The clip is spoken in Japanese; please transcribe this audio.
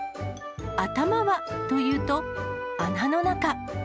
頭はというと、穴の中。